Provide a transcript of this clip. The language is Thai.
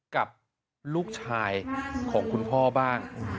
กับลูกชายของคุณพ่อบ้าง